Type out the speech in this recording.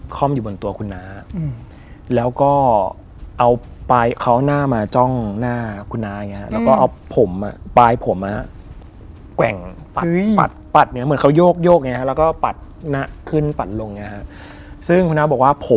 โตมาแล้วเจอกับ